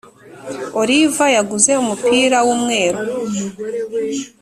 oliva yaguze umupira w'umweru